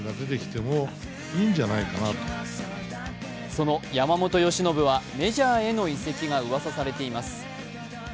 その山本由伸はメジャーへの移籍がうわさされています。